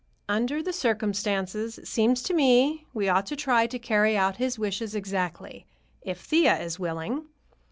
Under the circumstances, it seems to me we ought to try to carry out his wishes exactly, if Thea is willing."